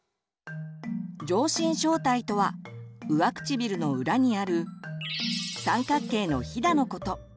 上唇小帯とは上唇の裏にある三角形のひだのこと。